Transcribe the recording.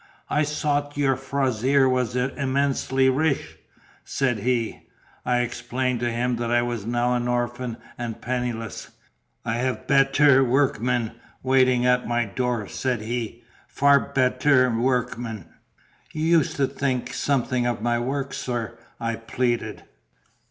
"I sought your fazer was immensely reech," said he. I explained to him that I was now an orphan and penniless. He shook his head. "I have betterr workmen waiting at my door," said he, "far betterr workmen. "You used to think something of my work, sir," I pleaded.